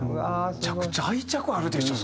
めちゃくちゃ愛着あるでしょ？